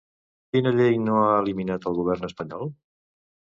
Quina llei no ha eliminat el govern espanyol?